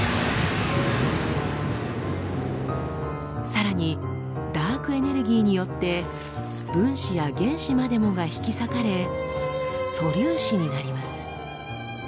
さらにダークエネルギーによって分子や原子までもが引き裂かれ素粒子になります。